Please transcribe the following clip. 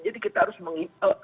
jadi kita harus mengingat